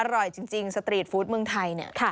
อร่อยจริงสตรีทฟู้ดเมืองไทยเนี่ย